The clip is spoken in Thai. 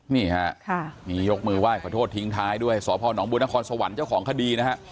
นี่ฮะมียกมือไหว้ขอโทษทิ้งท้ายด้วยสพนบัวนครสวรรค์เจ้าของคดีนะฮะ